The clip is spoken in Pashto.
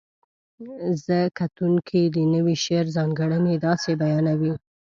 ره کتونکي د نوي شعر ځانګړنې داسې بیانوي: